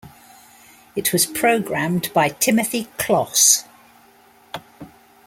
It was programmed by Timothy Closs.